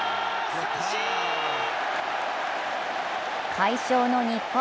快勝の日本。